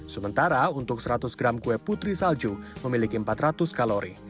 sementara untuk seratus gram kue putri salju memiliki empat ratus kalori